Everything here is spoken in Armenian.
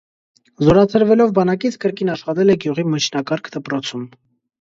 Զորացրվելով բանակից կրկին աշխատել է գյուղի միջնակարգ դպրոցում։